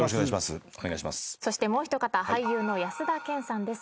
そしてもう一方俳優の安田顕さんです。